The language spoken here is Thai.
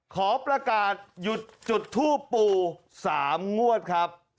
ขอประกาศหยุดจุดทูปปู่๓งวดครับ